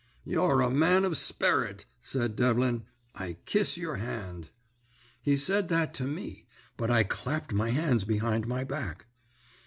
"'You're a man of sperrit,' said Devlin. 'I kiss your hand.' "He said that to me; but I clapped my hands behind my back.